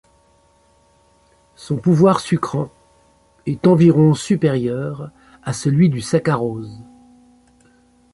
Son pouvoir sucrant est environ supérieur à celui du saccharose.